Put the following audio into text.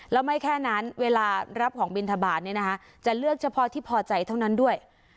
แล้วไม่แค่นั้นเวลารับของบินทบาทจะเลือกเฉพาะที่พอใจเท่านั้นด้วย